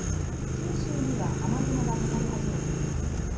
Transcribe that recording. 九州には雨雲がかかり始めています。